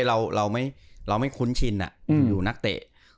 เราไม่คุ้นชินอยู่นักเตะ